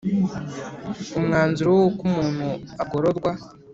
Umwanzuro w uko umuntu agororwa